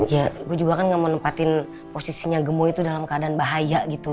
ya gue juga kan gak mau nempatin posisinya gemo itu dalam keadaan bahaya gitu